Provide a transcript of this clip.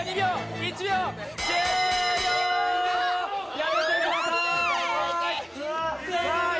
やめてください。